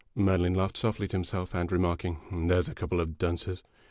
Merlin laughed softly to himself, and remarking, "There 's a couple of dunces